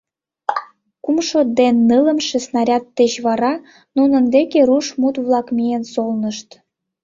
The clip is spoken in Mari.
Кумшо ден нылымше снаряд деч вара нунын деке руш мут-влак миен солнышт.